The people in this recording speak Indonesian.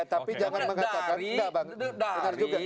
tapi jangan mengatakan